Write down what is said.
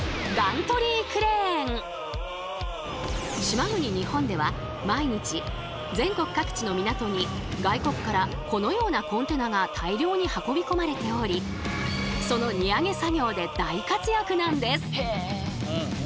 島国日本では毎日全国各地の港に外国からこのようなコンテナが大量に運び込まれておりその荷揚げ作業で大活躍なんです！